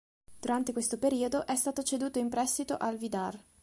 Durante questo periodo, è stato ceduto in prestito al Vidar.